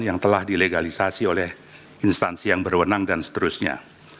yang telah dilegalisasi oleh instansi yang berwenang dan seterusnya